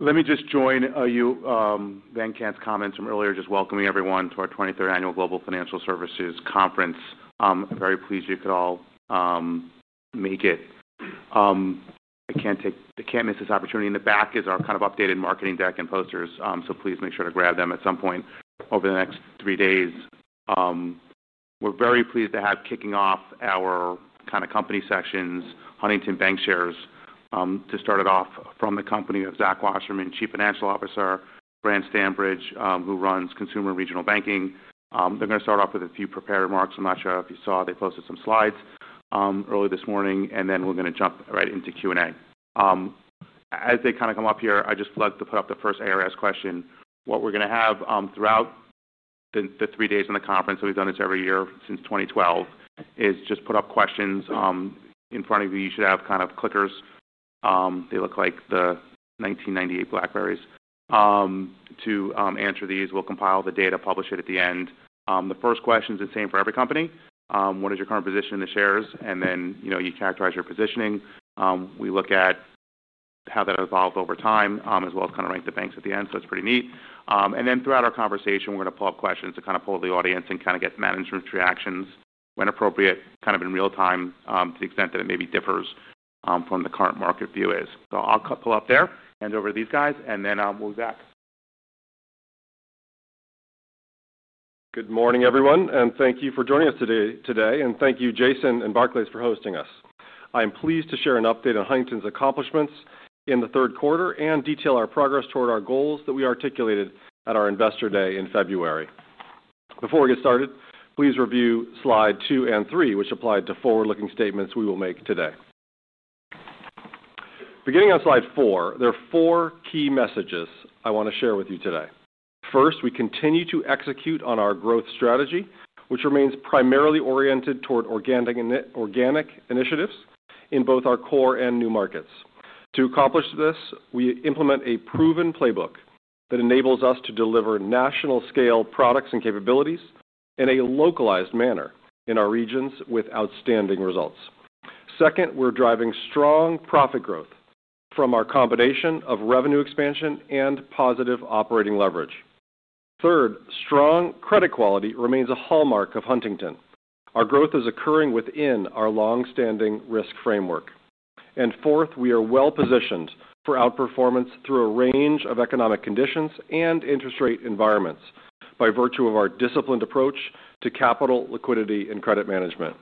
Let me just join you, Vancannah's comments from earlier, just welcoming everyone to our 23rd annual Global Financial Services Conference. I'm very pleased you could all make it. I can't miss this opportunity. In the back is our kind of updated marketing deck and posters, so please make sure to grab them at some point over the next three days. We're very pleased to have kicking off our kind of company sections, Huntington Bancshares, to start it off from the company of Zach Wasserman, Chief Financial Officer, Brant Standridge, who runs Consumer and Regional Banking. They're going to start off with a few prepared remarks. I'm not sure if you saw they posted some slides early this morning, and then we're going to jump right into Q&A. As they kind of come up here, I'd just like to put up the first ARS question. What we're going to have throughout the three days in the conference, and we've done this every year since 2012, is just put up questions in front of you. You should have kind of clickers. They look like the 1998 BlackBerrys. To answer these, we'll compile the data, publish it at the end. The first question is the same for every company. What is your current position in the shares? And then you characterize your positioning. We look at how that evolved over time, as well as kind of rank the banks at the end, it's pretty neat. Throughout our conversation, we're going to pull up questions to kind of poll the audience and kind of get management's reactions when appropriate, kind of in real time, to the extent that it maybe differs from the current market view is. I'll pull up there, hand it over to these guys, and then we'll be back. Good morning, everyone, and thank you for joining us today. Thank you, Jason and Barclays, for hosting us. I am pleased to share an update on Huntington's accomplishments in the third quarter and detail our progress toward our goals that we articulated at our Investor Day in February. Before we get started, please review slide two and three, which apply to forward-looking statements we will make today. Beginning on slide four, there are four key messages I want to share with you today. First, we continue to execute on our growth strategy, which remains primarily oriented toward organic initiatives in both our core and new markets. To accomplish this, we implement a proven playbook that enables us to deliver national-scale products and capabilities in a localized manner in our regions with outstanding results. Second, we're driving strong profit growth from our combination of revenue expansion and positive operating leverage. Third, strong credit quality remains a hallmark of Huntington. Our growth is occurring within our longstanding risk framework. Fourth, we are well positioned for outperformance through a range of economic conditions and interest rate environments by virtue of our disciplined approach to capital, liquidity, and credit management.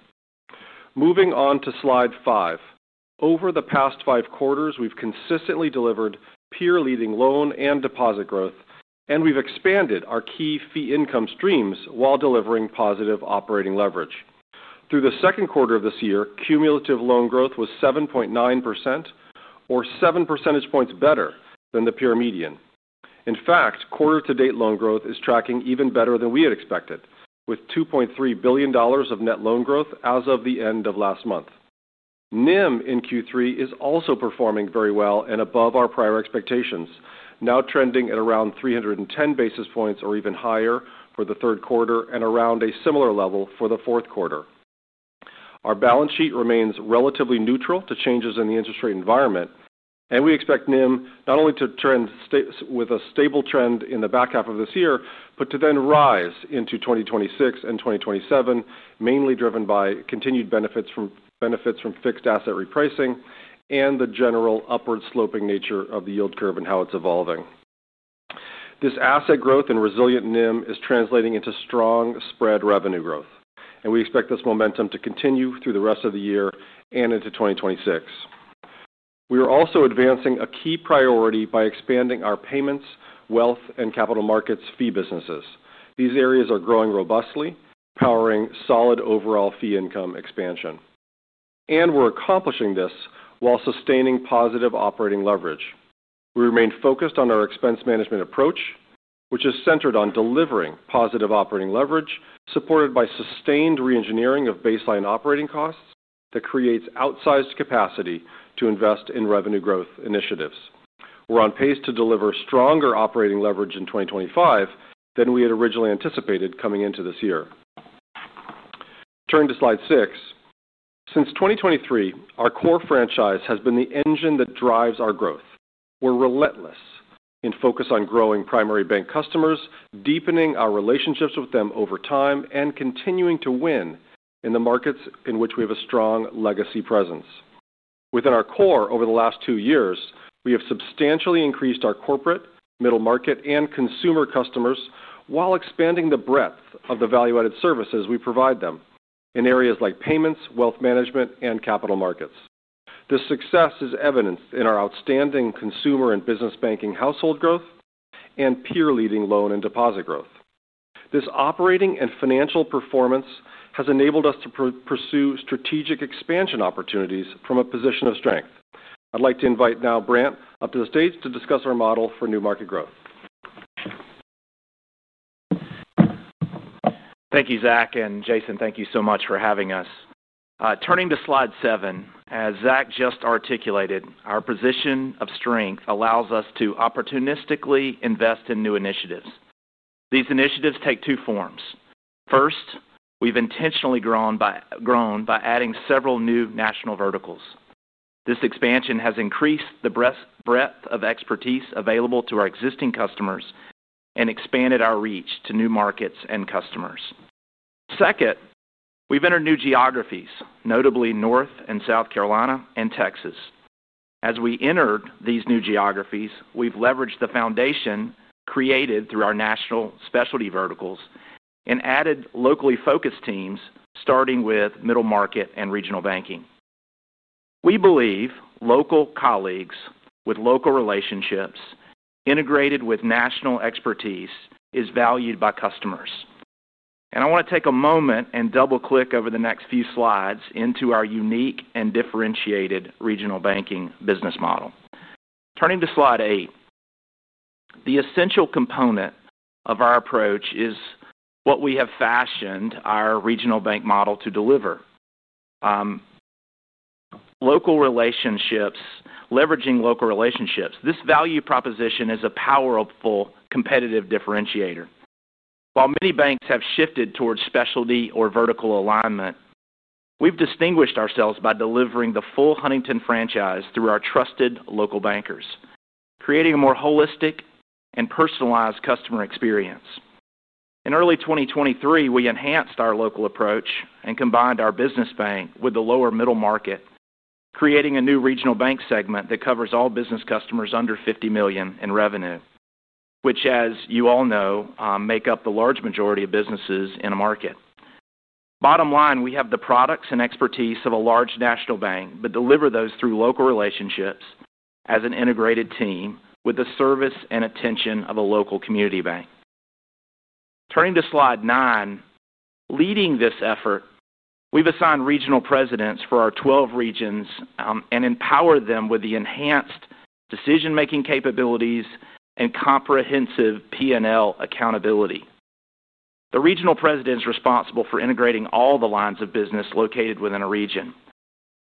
Moving on to slide five, over the past five quarters, we've consistently delivered peer-leading loan and deposit growth, and we've expanded our key fee income streams while delivering positive operating leverage. Through the second quarter of this year, cumulative loan growth was 7.9%, or seven percentage points better than the peer median. In fact, quarter-to-date loan growth is tracking even better than we had expected, with $2.3 billion of net loan growth as of the end of last month. NIM in Q3 is also performing very well and above our prior expectations, now trending at around 310 basis points or even higher for the third quarter and around a similar level for the fourth quarter. Our balance sheet remains relatively neutral to changes in the interest rate environment, and we expect NIM not only to trend with a stable trend in the back half of this year, but to then rise into 2026 and 2027, mainly driven by continued benefits from fixed asset repricing and the general upward sloping nature of the yield curve and how it's evolving. This asset growth and resilient NIM is translating into strong spread revenue growth, and we expect this momentum to continue through the rest of the year and into 2026. We are also advancing a key priority by expanding our payments, wealth, and capital markets fee businesses. These areas are growing robustly, powering solid overall fee income expansion. We are accomplishing this while sustaining positive operating leverage. We remain focused on our expense management approach, which is centered on delivering positive operating leverage supported by sustained re-engineering of baseline operating costs that creates outsized capacity to invest in revenue growth initiatives. We are on pace to deliver stronger operating leverage in 2025 than we had originally anticipated coming into this year. Turning to slide six, since 2023, our core franchise has been the engine that drives our growth. We are relentless in focus on growing primary bank customers, deepening our relationships with them over time, and continuing to win in the markets in which we have a strong legacy presence. Within our core over the last two years, we have substantially increased our corporate, middle market, and consumer customers while expanding the breadth of the value-added services we provide them in areas like payments, wealth management, and capital markets. This success is evidenced in our outstanding consumer and business banking household growth and peer-leading loan and deposit growth. This operating and financial performance has enabled us to pursue strategic expansion opportunities from a position of strength. I would like to invite now Brant up to the stage to discuss our model for new market growth. Thank you, Zach, and Jason. Thank you so much for having us. Turning to slide seven, as Zach just articulated, our position of strength allows us to opportunistically invest in new initiatives. These initiatives take two forms. First, we've intentionally grown by adding several new national verticals. This expansion has increased the breadth of expertise available to our existing customers and expanded our reach to new markets and customers. Second, we've entered new geographies, notably North Carolina, South Carolina, and Texas. As we entered these new geographies, we've leveraged the foundation created through our national specialty verticals and added locally focused teams, starting with middle market and regional banking. We believe local colleagues with local relationships integrated with national expertise are valued by customers. I want to take a moment and double-click over the next few slides into our unique and differentiated regional banking business model. Turning to slide eight, the essential component of our approach is what we have fashioned our regional bank model to deliver. Local relationships, leveraging local relationships, this value proposition is a powerful competitive differentiator. While many banks have shifted towards specialty or vertical alignment, we've distinguished ourselves by delivering the full Huntington franchise through our trusted local bankers, creating a more holistic and personalized customer experience. In early 2023, we enhanced our local approach and combined our business bank with the lower middle market, creating a new regional bank segment that covers all business customers under $50 million in revenue, which, as you all know, make up the large majority of businesses in a market. Bottom line, we have the products and expertise of a large national bank, but deliver those through local relationships as an integrated team with the service and attention of a local community bank. Turning to slide nine, leading this effort, we've assigned regional presidents for our 12 regions and empowered them with the enhanced decision-making capabilities and comprehensive P&L accountability. The regional president is responsible for integrating all the lines of business located within a region.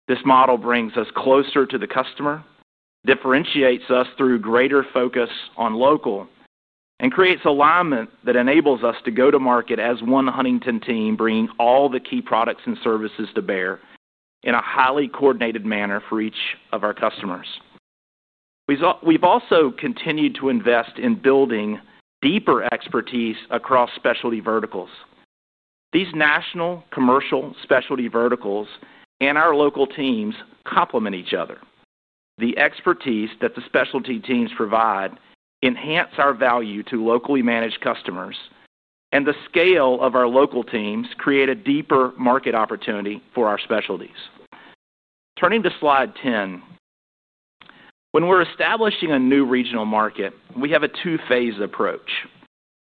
This model brings us closer to the customer, differentiates us through greater focus on local, and creates alignment that enables us to go to market as one Huntington team, bringing all the key products and services to bear in a highly coordinated manner for each of our customers. We've also continued to invest in building deeper expertise across specialty verticals. These national commercial specialty verticals and our local teams complement each other. The expertise that the specialty teams provide enhances our value to locally managed customers, and the scale of our local teams creates a deeper market opportunity for our specialties. Turning to slide 10, when we're establishing a new regional market, we have a two-phase approach.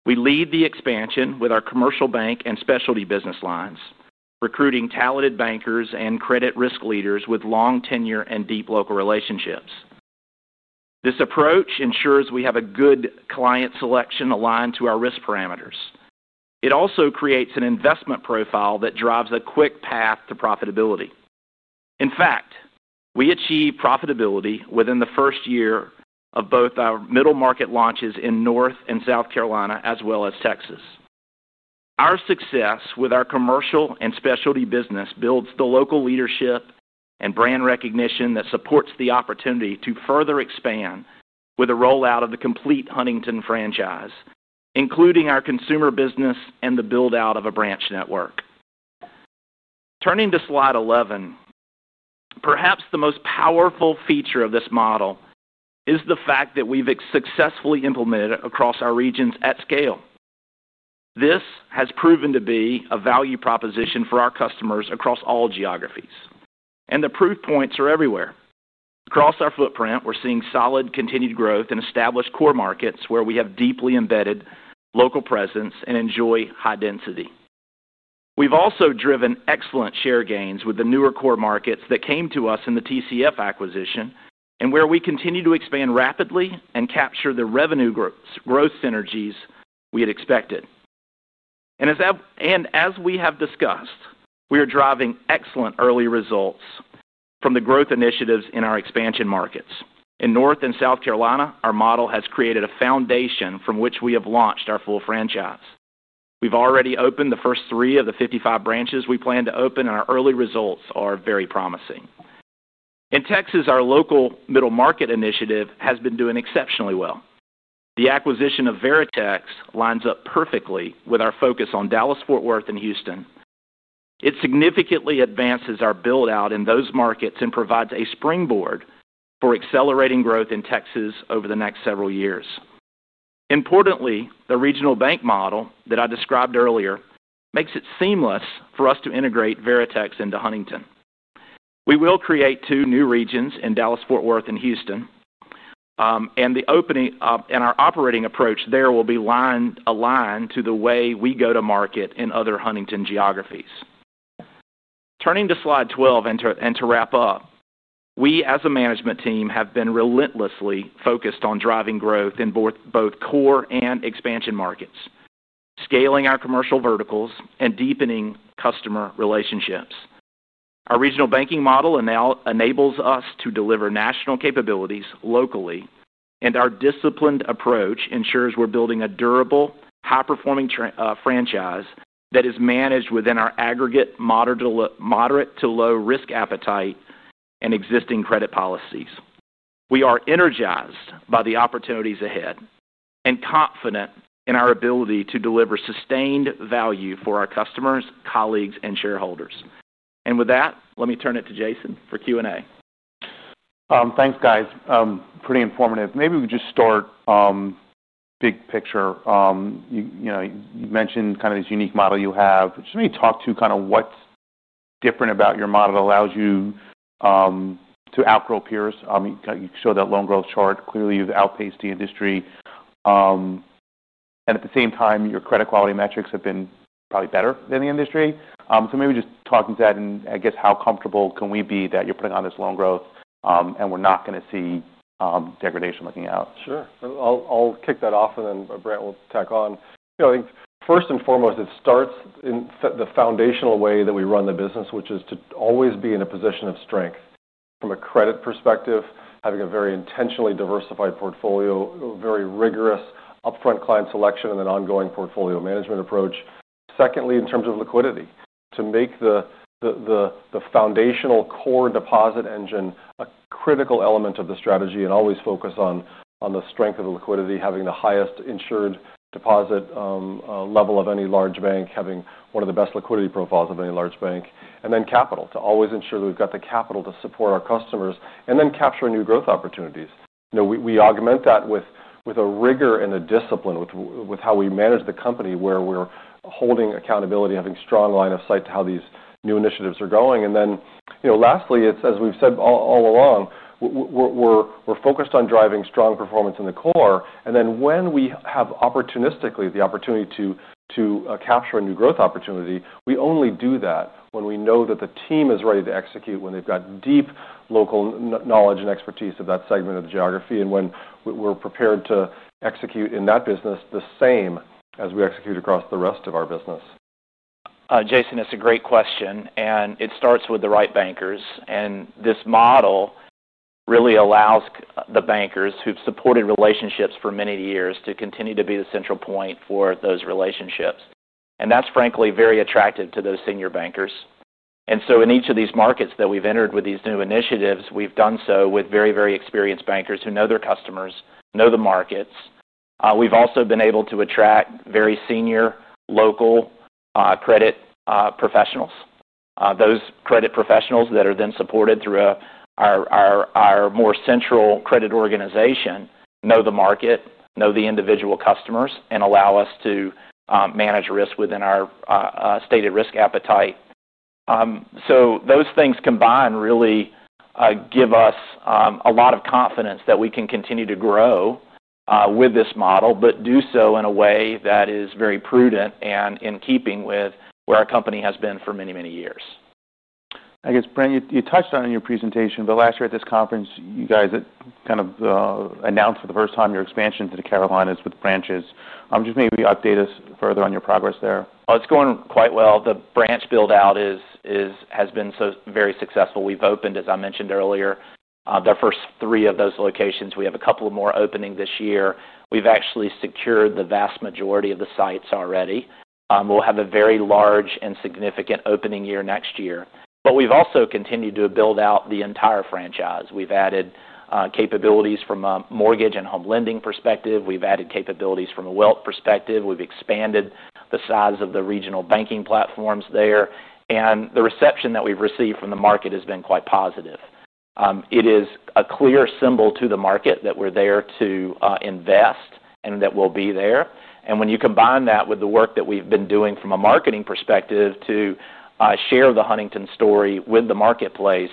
We lead the expansion with our commercial bank and specialty business lines, recruiting talented bankers and credit risk leaders with long tenure and deep local relationships. This approach ensures we have a good client selection aligned to our risk parameters. It also creates an investment profile that drives a quick path to profitability. In fact, we achieve profitability within the first year of both our middle market launches in North Carolina and South Carolina, as well as Texas. Our success with our commercial and specialty business builds the local leadership and brand recognition that supports the opportunity to further expand with the rollout of the complete Huntington franchise, including our consumer business and the build-out of a branch network. Turning to slide 11, perhaps the most powerful feature of this model is the fact that we've successfully implemented it across our regions at scale. This has proven to be a value proposition for our customers across all geographies. The proof points are everywhere. Across our footprint, we're seeing solid continued growth in established core markets where we have deeply embedded local presence and enjoy high density. We've also driven excellent share gains with the newer core markets that came to us in the TCF acquisition and where we continue to expand rapidly and capture the revenue growth synergies we had expected. As we have discussed, we are driving excellent early results from the growth initiatives in our expansion markets. In North Carolina and South Carolina, our model has created a foundation from which we have launched our full franchise. We've already opened the first three of the 55 branches we plan to open, and our early results are very promising. In Texas, our local middle market initiative has been doing exceptionally well. The acquisition of Veritex lines up perfectly with our focus on Dallas, Fort Worth, and Houston. It significantly advances our build-out in those markets and provides a springboard for accelerating growth in Texas over the next several years. Importantly, the regional bank model that I described earlier makes it seamless for us to integrate Veritex into Huntington. We will create two new regions in Dallas, Fort Worth, and Houston, and our operating approach there will be aligned to the way we go to market in other Huntington geographies. Turning to slide 12 and to wrap up, we, as a management team, have been relentlessly focused on driving growth in both core and expansion markets, scaling our commercial verticals, and deepening customer relationships. Our regional banking model enables us to deliver national capabilities locally, and our disciplined approach ensures we're building a durable, high-performing franchise that is managed within our aggregate moderate to low risk appetite and existing credit policies. We are energized by the opportunities ahead and confident in our ability to deliver sustained value for our customers, colleagues, and shareholders. Let me turn it to Jason for Q&A. Thanks, guys. Pretty informative. Maybe we could just start big picture. You mentioned kind of this unique model you have. Just maybe talk to kind of what's different about your model that allows you to outgrow peers. You showed that loan growth chart. Clearly, you've outpaced the industry. At the same time, your credit quality metrics have been probably better than the industry. Maybe just talking to that and I guess how comfortable can we be that you're putting on this loan growth and we're not going to see degradation looking out? Sure. I'll kick that off and then Brant will tack on. I think first and foremost, it starts in the foundational way that we run the business, which is to always be in a position of strength. From a credit perspective, having a very intentionally diversified portfolio, very rigorous upfront client selection, and an ongoing portfolio management approach. Secondly, in terms of liquidity, to make the foundational core deposit engine a critical element of the strategy and always focus on the strength of the liquidity, having the highest insured deposit level of any large bank, having one of the best liquidity profiles of any large bank, and then capital to always ensure that we've got the capital to support our customers and then capture new growth opportunities. We augment that with a rigor and a discipline with how we manage the company where we're holding accountability, having a strong line of sight to how these new initiatives are going. Lastly, as we've said all along, we're focused on driving strong performance in the core. When we have opportunistically the opportunity to capture a new growth opportunity, we only do that when we know that the team is ready to execute, when they've got deep local knowledge and expertise of that segment of the geography, and when we're prepared to execute in that business the same as we execute across the rest of our business. Jason, that's a great question. It starts with the right bankers. This model really allows the bankers who've supported relationships for many years to continue to be the central point for those relationships. That's frankly very attractive to those senior bankers. In each of these markets that we've entered with these new initiatives, we've done so with very, very experienced bankers who know their customers and know the markets. We've also been able to attract very senior local credit professionals. Those credit professionals, supported through our more central credit organization, know the market and know the individual customers, and allow us to manage risk within our stated risk appetite. Those things combined really give us a lot of confidence that we can continue to grow with this model, but do so in a way that is very prudent and in keeping with where our company has been for many, many years. I guess, Brant, you touched on it in your presentation, but last year at this conference, you guys kind of announced for the first time your expansion to the Carolinas with branches. Just maybe update us further on your progress there. Oh, it's going quite well. The branch build-out has been so very successful. We've opened, as I mentioned earlier, the first three of those locations. We have a couple more opening this year. We've actually secured the vast majority of the sites already. We'll have a very large and significant opening year next year. We've also continued to build out the entire franchise. We've added capabilities from a mortgage and home lending perspective. We've added capabilities from a wealth perspective. We've expanded the size of the regional banking platforms there. The reception that we've received from the market has been quite positive. It is a clear symbol to the market that we're there to invest and that we'll be there. When you combine that with the work that we've been doing from a marketing perspective to share the Huntington story with the marketplace,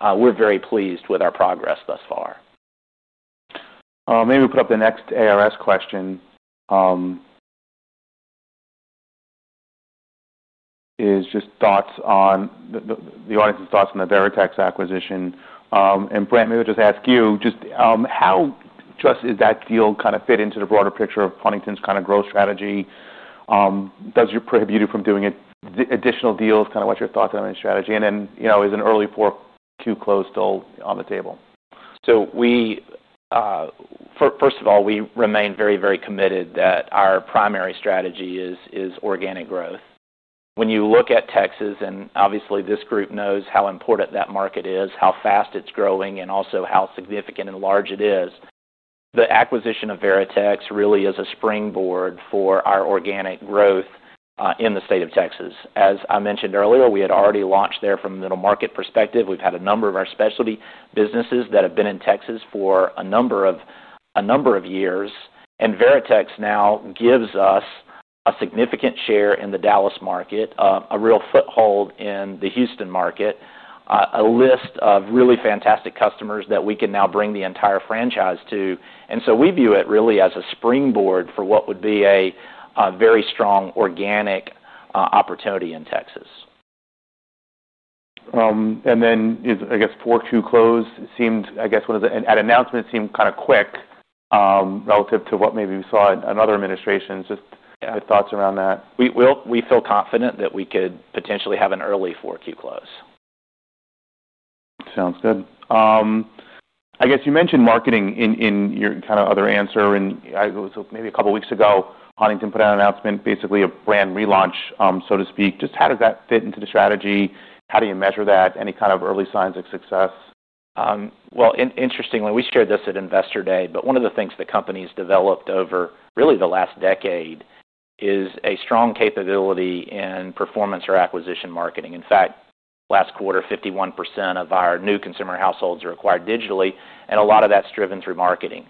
we're very pleased with our progress thus far. Maybe we put up the next ARS question. It's just thoughts on the audience's thoughts on the Veritex acquisition. Brant, maybe I'll just ask you, just how does that deal kind of fit into the broader picture of Huntington's kind of growth strategy? Does it prohibit you from doing additional deals? What's your thoughts on this strategy? Is an early foreclosure still on the table? We remain very, very committed that our primary strategy is organic growth. When you look at Texas, and obviously this group knows how important that market is, how fast it's growing, and also how significant and large it is, the acquisition of Veritex really is a springboard for our organic growth in the state of Texas. As I mentioned earlier, we had already launched there from a middle market perspective. We've had a number of our specialty businesses that have been in Texas for a number of years. Veritex now gives us a significant share in the Dallas market, a real foothold in the Houston market, a list of really fantastic customers that we can now bring the entire franchise to. We view it really as a springboard for what would be a very strong organic opportunity in Texas. I guess foreclosure seemed, I guess, one of the announcements seemed kind of quick relative to what maybe we saw in other administrations. Just your thoughts around that. We feel confident that we could potentially have an early foreclosure. Sounds good. I guess you mentioned marketing in your kind of other answer. I was maybe a couple of weeks ago, Huntington put out an announcement, basically a brand relaunch, so to speak. How does that fit into the strategy? How do you measure that? Any kind of early signs of success? Interestingly, we shared this at Investor Day, but one of the things the company's developed over really the last decade is a strong capability in performance or acquisition marketing. In fact, last quarter, 51% of our new consumer households are acquired digitally, and a lot of that's driven through marketing.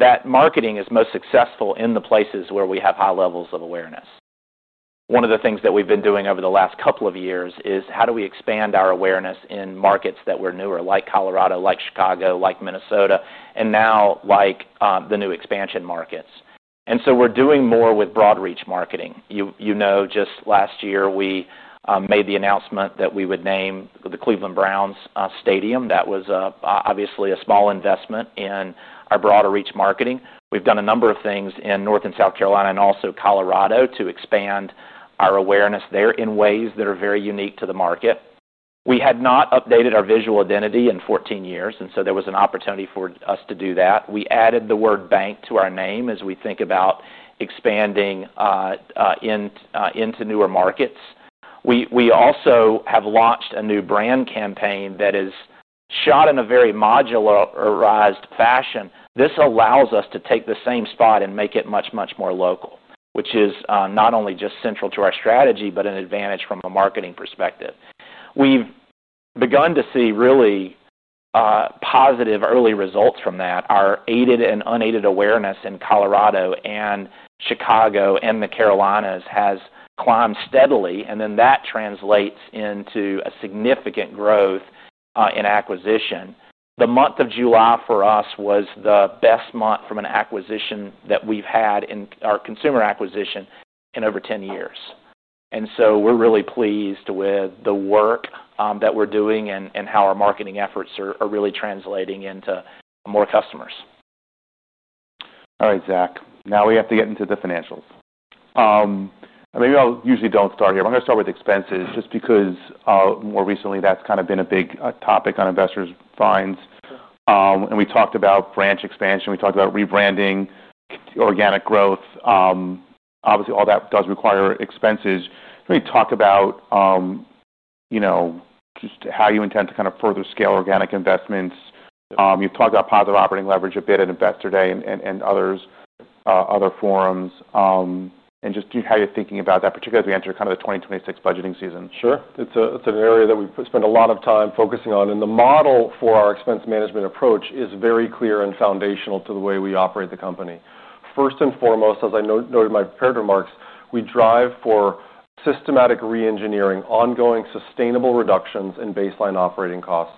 That marketing is most successful in the places where we have high levels of awareness. One of the things that we've been doing over the last couple of years is how do we expand our awareness in markets that were newer, like Colorado, like Chicago, like Minnesota, and now like the new expansion markets. We're doing more with broad reach marketing. Just last year, we made the announcement that we would name the Cleveland Browns Stadium. That was obviously a small investment in our broader reach marketing. We've done a number of things in North Carolina and South Carolina and also Colorado to expand our awareness there in ways that are very unique to the market. We had not updated our visual identity in 14 years, and there was an opportunity for us to do that. We added the word bank to our name as we think about expanding into newer markets. We also have launched a new brand campaign that is shot in a very modularized fashion. This allows us to take the same spot and make it much, much more local, which is not only just central to our strategy, but an advantage from a marketing perspective. We've begun to see really positive early results from that. Our aided and unaided awareness in Colorado and Chicago and the Carolinas has climbed steadily, and that translates into a significant growth in acquisition. The month of July for us was the best month from an acquisition that we've had in our consumer acquisition in over 10 years. We're really pleased with the work that we're doing and how our marketing efforts are really translating into more customers. All right, Zach, now we have to get into the financials. Maybe I usually don't start here, but I'm going to start with expenses just because more recently that's kind of been a big topic on investors' minds. We talked about branch expansion. We talked about rebranding, organic growth. Obviously, all that does require expenses. Can you talk about just how you intend to kind of further scale organic investments? You've talked about positive operating leverage a bit at Investor Day and other forums. Just how you're thinking about that, particularly as we enter kind of the 2026 budgeting season. Sure. It's an area that we spend a lot of time focusing on. The model for our expense management approach is very clear and foundational to the way we operate the company. First and foremost, as I noted in my prepared remarks, we drive for systematic re-engineering, ongoing sustainable reductions in baseline operating costs.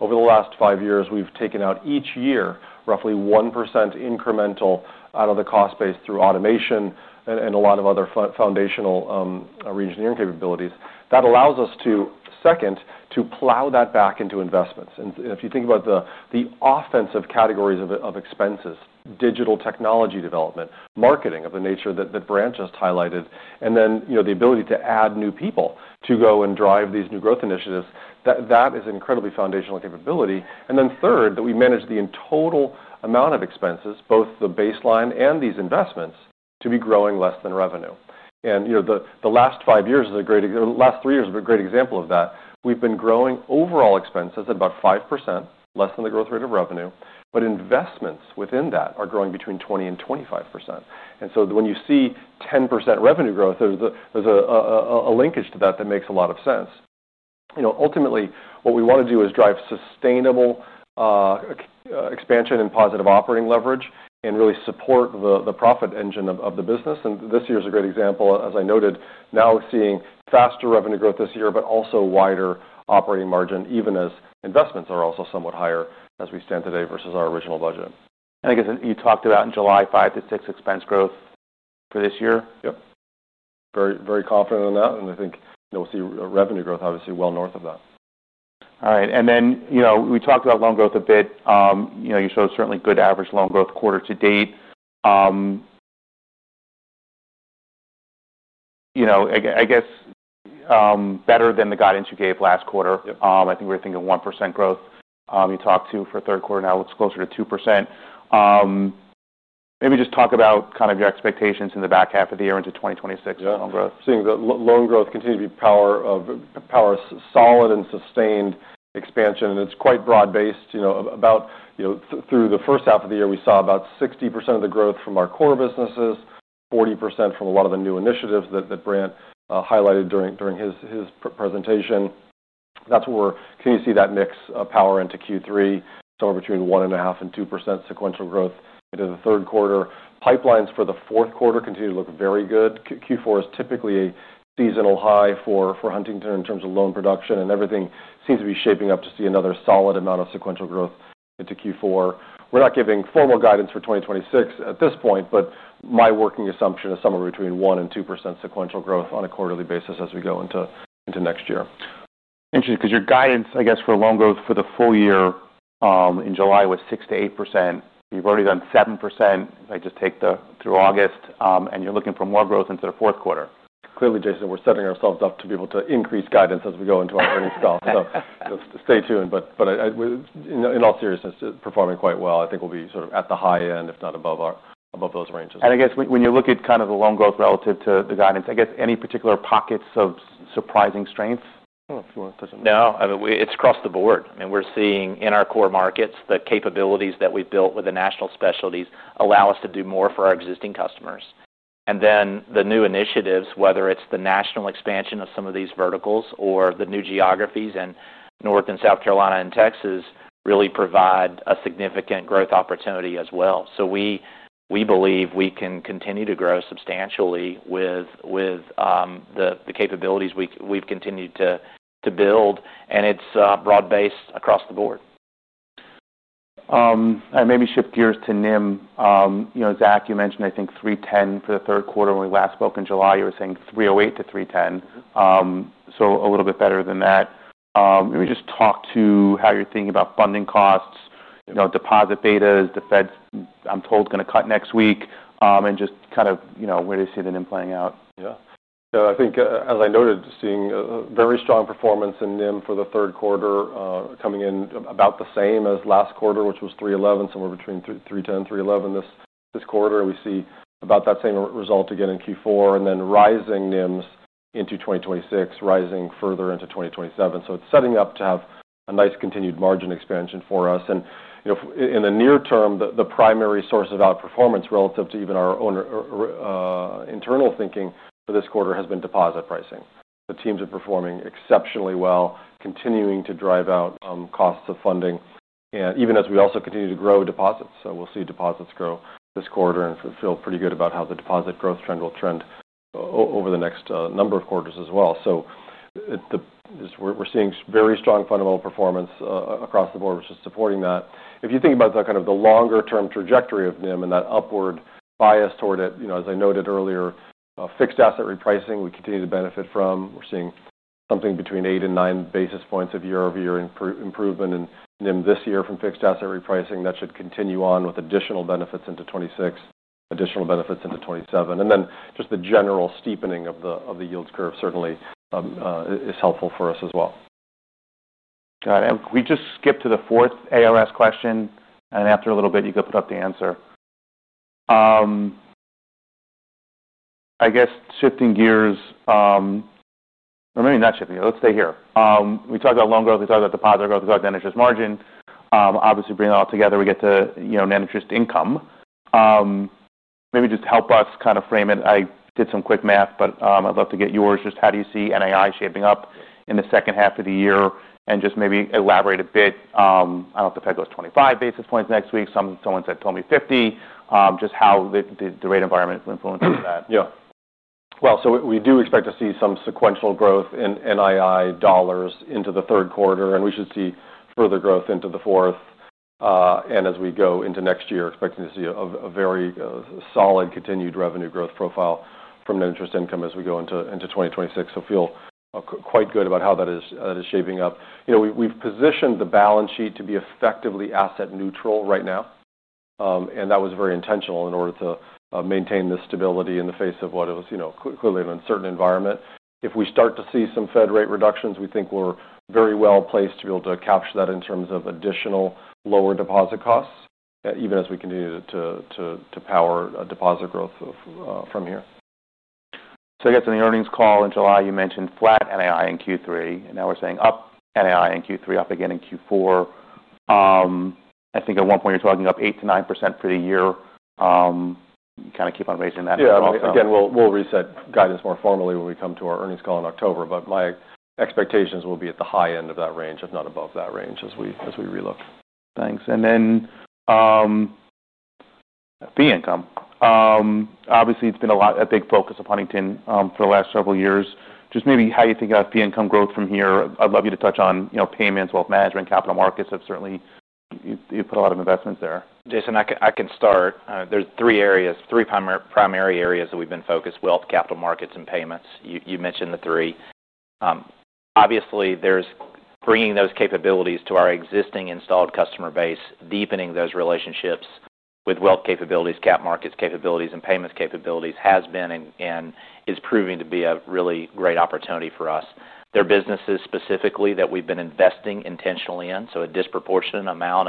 Over the last five years, we've taken out each year roughly 1% incremental out of the cost base through automation and a lot of other foundational re-engineering capabilities. That allows us to, second, plow that back into investments. If you think about the offensive categories of expenses, digital technology development, marketing of the nature that Brant Standridge just highlighted, and then the ability to add new people to go and drive these new growth initiatives, that is an incredibly foundational capability. Third, we manage the total amount of expenses, both the baseline and these investments, to be growing less than revenue. The last five years is a great, the last three years have been a great example of that. We've been growing overall expenses at about 5%, less than the growth rate of revenue, but investments within that are growing between 20% and 25%. When you see 10% revenue growth, there's a linkage to that that makes a lot of sense. Ultimately, what we want to do is drive sustainable expansion and positive operating leverage and really support the profit engine of the business. This year is a great example. As I noted, now we're seeing faster revenue growth this year, but also wider operating margin, even as investments are also somewhat higher as we stand today versus our original budget. I guess you talked about in July 5% to 6% expense growth for this year. Yes, very, very confident in that. I think we'll see revenue growth, obviously, well north of that. All right. We talked about loan growth a bit. You showed certainly good average loan growth quarter to date. I guess better than the guidance you gave last quarter. I think we were thinking 1% growth. You talked for third quarter now, it's closer to 2%. Maybe just talk about kind of your expectations in the back half of the year into 2026 loan growth. Loan growth continues to be powerfully solid and sustained expansion. It's quite broad-based. Through the first half of the year, we saw about 60% of the growth from our core businesses, 40% from a lot of the new initiatives that Brant Standridge highlighted during his presentation. That's where we're continuing to see that mix of power into Q3, somewhere between 1.5% and 2.0% sequential growth into the third quarter. Pipelines for the fourth quarter continue to look very good. Q4 is typically a seasonal high for Huntington Bancshares in terms of loan production, and everything seems to be shaping up to see another solid amount of sequential growth into Q4. We're not giving formal guidance for 2026 at this point, but my working assumption is somewhere between 1% and 2% sequential growth on a quarterly basis as we go into next year. Interesting, because your guidance, I guess, for loan growth for the full year in July was 6% to 8%. You've already done 7% if I just take through August, and you're looking for more growth into the fourth quarter. Clearly, Jason, we're setting ourselves up to be able to increase guidance as we go into our earnings call. Stay tuned. In all seriousness, it's performing quite well. I think we'll be sort of at the high end, if not above those ranges. When you look at kind of the loan growth relative to the guidance, any particular pockets of surprising strength? No, I mean, it's across the board. We're seeing in our core markets, the capabilities that we've built with the national specialties allow us to do more for our existing customers. The new initiatives, whether it's the national expansion of some of these verticals or the new geographies in North Carolina, South Carolina, and Texas, really provide a significant growth opportunity as well. We believe we can continue to grow substantially with the capabilities we've continued to build. It's broad-based across the board. Maybe shift gears to NIM. You know, Zach, you mentioned, I think, 3.10% for the third quarter. When we last spoke in July, you were saying 3.08% to 3.10%. A little bit better than that. Maybe just talk to how you're thinking about funding costs, deposit betas. The Fed, I'm told, is going to cut next week. Just kind of, you know, where do you see the NIM playing out? Yeah. I think, as I noted, seeing a very strong performance in NIM for the third quarter, coming in about the same as last quarter, which was 3.11, somewhere between 3.10 and 3.11 this quarter. We see about that same result again in Q4, then rising NIMs into 2026, rising further into 2027. It's setting up to have a nice continued margin expansion for us. In the near term, the primary source of outperformance relative to even our own internal thinking for this quarter has been deposit pricing. The teams are performing exceptionally well, continuing to drive out costs of funding, even as we also continue to grow deposits. We'll see deposits grow this quarter and feel pretty good about how the deposit growth trend will trend over the next number of quarters as well. We're seeing very strong fundamental performance across the board, which is supporting that. If you think about the kind of the longer-term trajectory of NIM and that upward bias toward it, as I noted earlier, fixed asset repricing, we continue to benefit from. We're seeing something between 8 and 9 basis points of year-over-year improvement in NIM this year from fixed asset repricing. That should continue on with additional benefits into 2026, additional benefits into 2027. The general steepening of the yield curve certainly is helpful for us as well. Got it. We just skipped to the fourth ARS question. After a little bit, you could put up the answer. I guess shifting gears, or maybe not shifting gears, let's stay here. We talked about loan growth. We talked about deposit growth. We talked about net interest margin. Obviously, bringing it all together, we get to net interest income. Maybe just help us kind of frame it. I did some quick math, but I'd love to get yours. Just how do you see NII shaping up in the second half of the year? Maybe elaborate a bit. I don't know if the Fed goes 25 basis points next week. Someone told me 50. Just how the rate environment influences that. We do expect to see some sequential growth in NII dollars into the third quarter. We should see further growth into the fourth. As we go into next year, expecting to see a very solid continued revenue growth profile from net interest income as we go into 2026. Feel quite good about how that is shaping up. We've positioned the balance sheet to be effectively asset neutral right now. That was very intentional in order to maintain this stability in the face of what is clearly an uncertain environment. If we start to see some Fed rate reductions, we think we're very well placed to be able to capture that in terms of additional lower deposit costs, even as we continue to power deposit growth from here. I guess in the earnings call in July, you mentioned flat NII in Q3. Now we're saying up NII in Q3, up again in Q4. I think at one point you're talking up 8% to 9% for the year. You kind of keep on raising that as well. Again, we will reset guidance more formally when we come to our earnings call in October. My expectations will be at the high end of that range, if not above that range, as we relook. Thanks. Fee income has been a big focus of Huntington for the last several years. Just maybe how you think about fee income growth from here. I'd love you to touch on payments, wealth management, capital markets. That's certainly. You put a lot of investments there. Jason, I can start. There are three areas, three primary areas that we've been focused on: wealth, capital markets, and payments. You mentioned the three. Obviously, there's bringing those capabilities to our existing installed customer base. Deepening those relationships with wealth capabilities, capital markets capabilities, and payments capabilities has been and is proving to be a really great opportunity for us. There are businesses specifically that we've been investing intentionally in. A disproportionate amount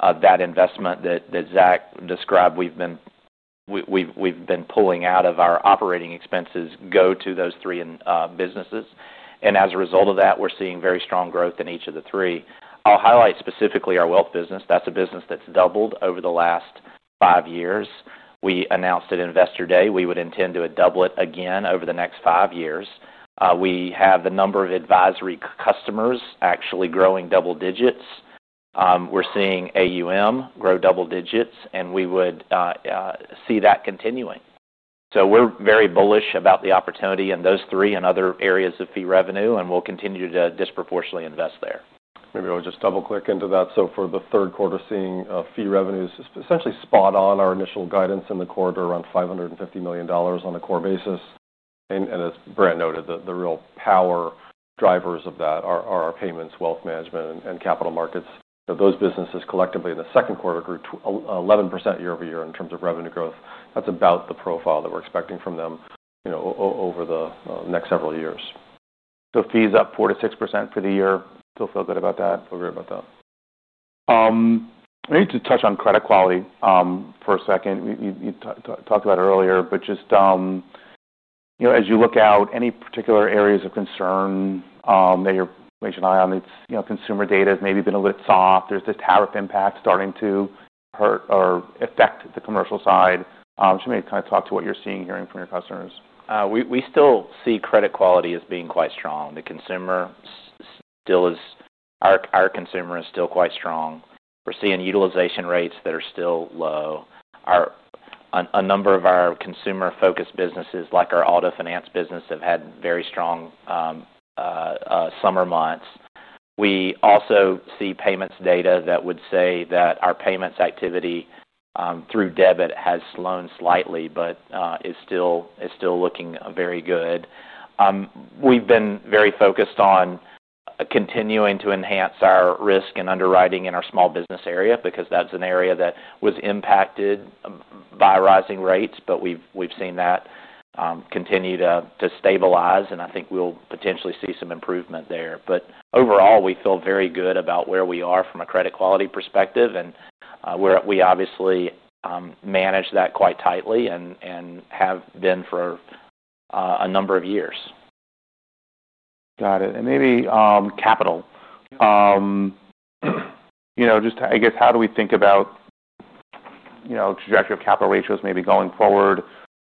of that investment that Zach described, we've been pulling out of our operating expenses, goes to those three businesses. As a result of that, we're seeing very strong growth in each of the three. I'll highlight specifically our wealth business. That's a business that's doubled over the last five years. We announced at Investor Day we would intend to double it again over the next five years. We have the number of advisory customers actually growing double digits. We're seeing AUM grow double digits, and we would see that continuing. We're very bullish about the opportunity in those three and other areas of fee revenue, and we'll continue to disproportionately invest there. Maybe I'll just double-click into that. For the third quarter, seeing fee revenues essentially spot on our initial guidance in the quarter around $550 million on a core basis. As Brant noted, the real power drivers of that are our payments, wealth management, and capital markets. Those businesses collectively in the second quarter grew 11% year over year in terms of revenue growth. That's about the profile that we're expecting from them over the next several years. Fees up 4% to 6% for the year. Still feel good about that. Feel great about that. Maybe to touch on credit quality for a second. You talked about it earlier, but just as you look out, any particular areas of concern that you're raising an eye on? Consumer data has maybe been a little bit soft. There's this tariff impact starting to hurt or affect the commercial side. Just maybe kind of talk to what you're seeing, hearing from your customers. We still see credit quality as being quite strong. The consumer still is, our consumer is still quite strong. We're seeing utilization rates that are still low. A number of our consumer-focused businesses, like our auto finance business, have had very strong summer months. We also see payments data that would say that our payments activity through debit has slowed slightly, but is still looking very good. We've been very focused on continuing to enhance our risk and underwriting in our small business area because that's an area that was impacted by rising rates. We've seen that continue to stabilize, and I think we'll potentially see some improvement there. Overall, we feel very good about where we are from a credit quality perspective, and we obviously manage that quite tightly and have been for a number of years. Got it. Maybe capital. Just, I guess, how do we think about trajectory of capital ratios going forward?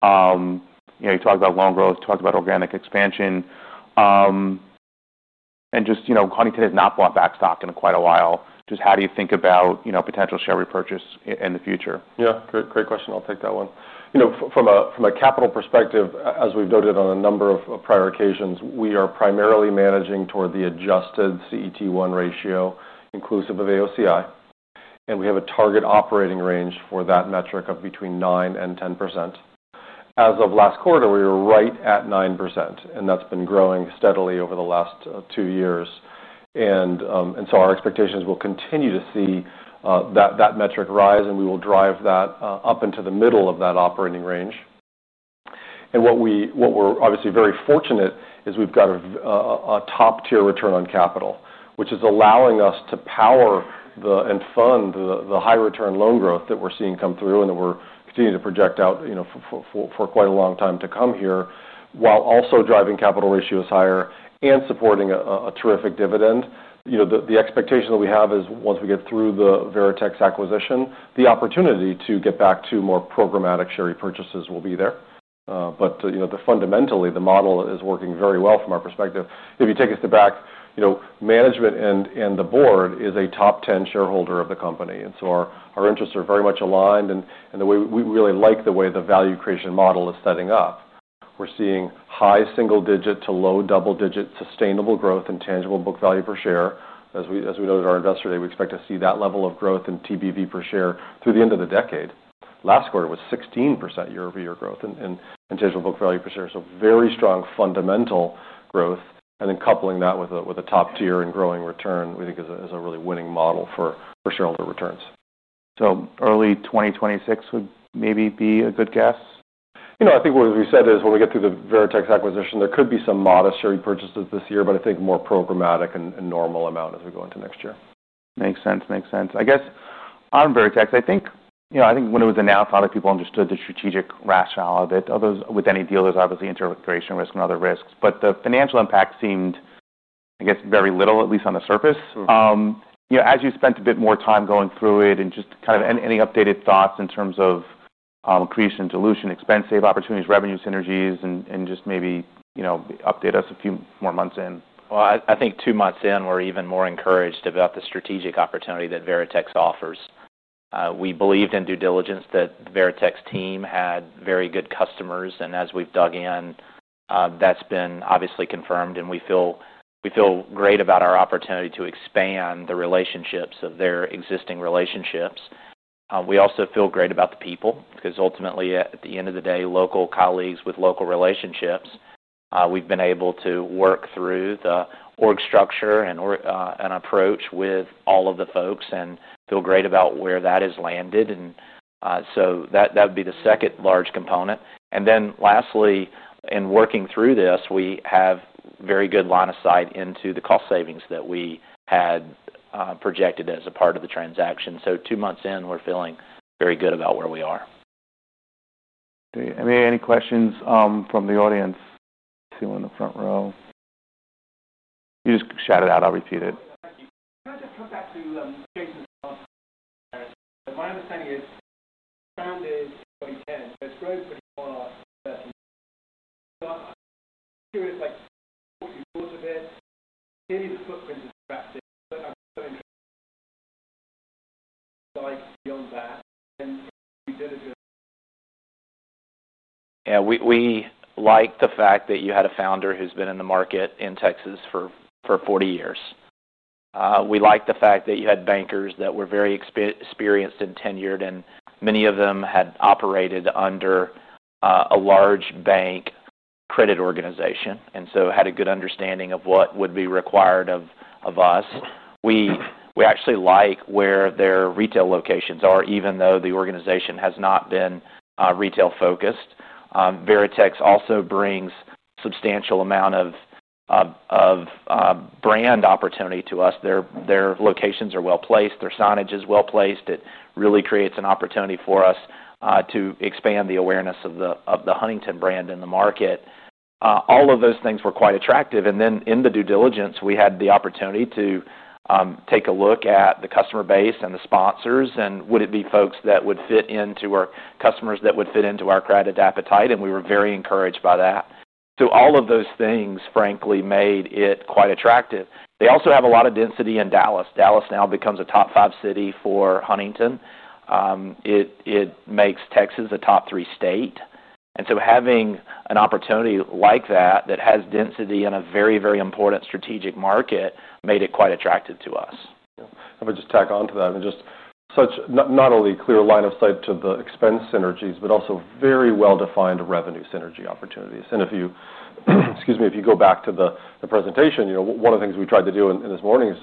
You talked about loan growth. You talked about organic expansion. Just, you know, Huntington has not bought back stock in quite a while. How do you think about potential share repurchase in the future? Yeah, great question. I'll take that one. You know, from a capital perspective, as we've noted on a number of prior occasions, we are primarily managing toward the adjusted CET1 ratio inclusive of AOCI. We have a target operating range for that metric of between 9% and 10%. As of last quarter, we were right at 9%, and that's been growing steadily over the last two years. Our expectations will continue to see that metric rise, and we will drive that up into the middle of that operating range. What we're obviously very fortunate is we've got a top-tier return on capital, which is allowing us to power and fund the high-return loan growth that we're seeing come through and that we're continuing to project out for quite a long time to come here, while also driving capital ratios higher and supporting a terrific dividend. The expectation that we have is once we get through the Veritex acquisition, the opportunity to get back to more programmatic share repurchases will be there. Fundamentally, the model is working very well from our perspective. If you take a step back, management and the board is a top 10 shareholder of the company. Our interests are very much aligned. The way we really like the way the value creation model is setting up, we're seeing high single-digit to low double-digit sustainable growth in tangible book value per share. As we noted on our Investor Day, we expect to see that level of growth in tangible book value per share through the end of the decade. Last quarter was 16% year-over-year growth in tangible book value per share. Very strong fundamental growth. Coupling that with a top-tier and growing return, we think is a really winning model for shareholder returns. Early 2026 would maybe be a good guess, you know. I think what we said is when we get through the Veritex acquisition, there could be some modest share repurchases this year, but I think more programmatic and normal amount as we go into next year. Makes sense. Makes sense. I guess on Veritex, I think when it was announced, a lot of people understood the strategic rationale of it, with any dealers, obviously, interest creation risk and other risks. The financial impact seemed, I guess, very little, at least on the surface. As you spent a bit more time going through it and just kind of any updated thoughts in terms of creation, dilution, expense save opportunities, revenue synergies, and just maybe you know update us a few more months in. I think two months in, we're even more encouraged about the strategic opportunity that Veritex offers. We believed in due diligence that the Veritex team had very good customers, and as we've dug in, that's been obviously confirmed. We feel great about our opportunity to expand the relationships of their existing relationships. We also feel great about the people because ultimately, at the end of the day, local colleagues with local relationships. We've been able to work through the org structure and approach with all of the folks and feel great about where that has landed. That would be the second large component. Lastly, in working through this, we have a very good line of sight into the cost savings that we had projected as a part of the transaction. Two months in, we're feeling very good about where we are. Any questions from the audience? I see one in the front row. You just shout it out. I'll repeat it. If I understand you, it's founded over the years, but it's grown for the. Yeah, we like the fact that you had a founder who's been in the market in Texas for 40 years. We like the fact that you had bankers that were very experienced and tenured, and many of them had operated under a large bank credit organization and so had a good understanding of what would be required of us. We actually like where their retail locations are, even though the organization has not been retail focused. Veritex also brings a substantial amount of brand opportunity to us. Their locations are well placed. Their signage is well placed. It really creates an opportunity for us to expand the awareness of the Huntington brand in the market. All of those things were quite attractive. In the due diligence, we had the opportunity to take a look at the customer base and the sponsors, and would it be folks that would fit into our customers that would fit into our credit appetite? We were very encouraged by that. All of those things, frankly, made it quite attractive. They also have a lot of density in Dallas. Dallas now becomes a top five city for Huntington. It makes Texas a top three state. Having an opportunity like that that has density in a very, very important strategic market made it quite attractive to us. I would just tack on to that. I mean, just such not only a clear line of sight to the expense synergies, but also very well-defined revenue synergy opportunities. If you go back to the presentation, you know one of the things we tried to do in this morning's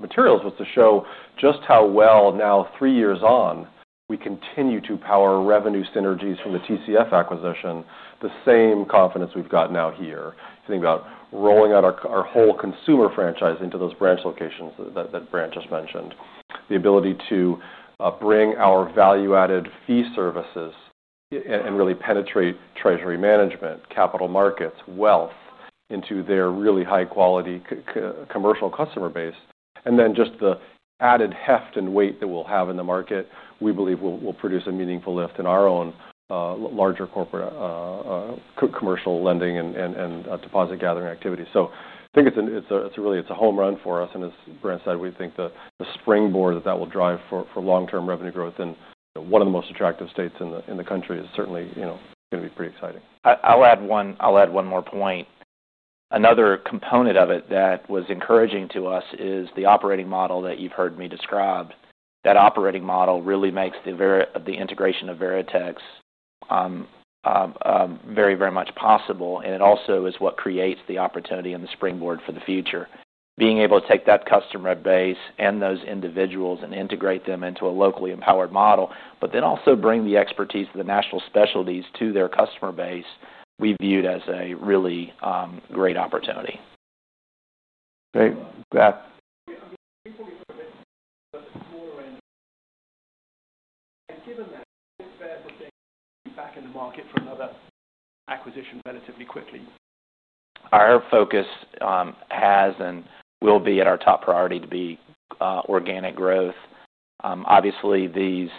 materials was to show just how well now, three years on, we continue to power revenue synergies from the TCF acquisition, the same confidence we've got now here. If you think about rolling out our whole consumer franchise into those branch locations that Brant just mentioned, the ability to bring our value-added fee services and really penetrate treasury management, capital markets, wealth into their really high-quality commercial customer base. Then just the added heft and weight that we'll have in the market, we believe will produce a meaningful lift in our own larger corporate commercial lending and deposit gathering activities. I think it's really, it's a home run for us. As Brant said, we think the springboard that that will drive for long-term revenue growth in one of the most attractive states in the country is certainly going to be pretty exciting. I'll add one more point. Another component of it that was encouraging to us is the operating model that you've heard me describe. That operating model really makes the integration of Veritex very, very much possible. It also is what creates the opportunity and the springboard for the future. Being able to take that customer base and those individuals and integrate them into a locally empowered model, but then also bring the expertise of the national specialties to their customer base, we viewed as a really great opportunity. Great. Brant. Even that, the Fed will stay back in the market for another acquisition relatively quickly. Our focus has and will be at our top priority to be organic growth. Obviously, these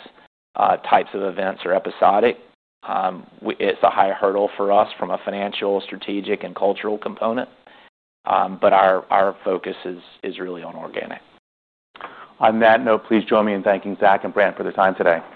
types of events are episodic. It's a higher hurdle for us from a financial, strategic, and cultural component. Our focus is really on organic. On that note, please join me in thanking Zach Wasserman and Brant Standridge for their time today.